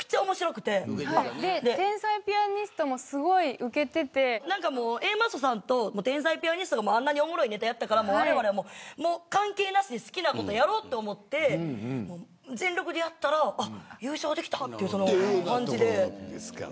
天才ピアニストもＡマッソさんと天才ピアニストがあんなにおもろいネタやったからわれわれも関係なしに好きなことやろうと思って全力でやったら優勝できたという感じです。